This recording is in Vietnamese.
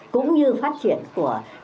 cũng như phát triển của nông nghiệp